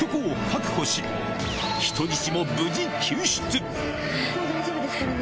もう大丈夫ですからね。